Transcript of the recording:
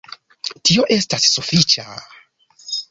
Tio estas sufiĉa...